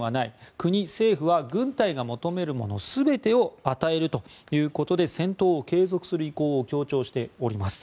国・政府は軍隊が求めるもの全てを与えるということで戦闘を継続する意向を強調しております。